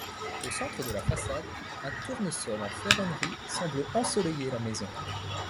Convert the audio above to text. Au centre de la façade, un tournesol en ferronnerie semble ensoleiller la maison.